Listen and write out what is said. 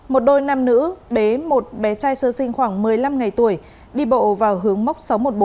một đôi nam nữ bế một bé trai sơ sinh khoảng một mươi năm ngày tuổi đi bộ vào hướng mốc sáu trăm một mươi bốn